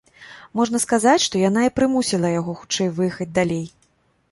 Можна сказаць, што яна і прымусіла яго хутчэй выехаць далей.